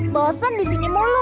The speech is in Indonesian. bosen disini mulu